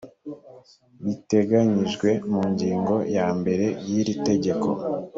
biteganyijwe mu ngingo ya mbere y iri tegeko